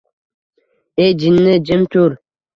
ey jinni jim tur.